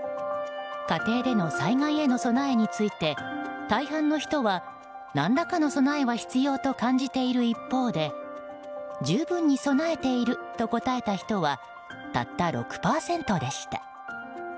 家庭での災害への備えについて大半の人は何らかの備えは必要と感じている一方で十分に備えていると答えた人はたった６％でした。